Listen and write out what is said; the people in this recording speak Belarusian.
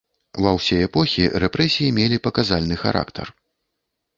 Ва ўсе эпохі рэпрэсіі мелі паказальны характар.